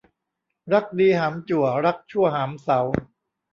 รักดีหามจั่วรักชั่วหามเสา